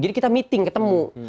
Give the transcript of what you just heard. jadi kita meeting ketemu